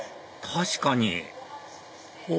確かにお！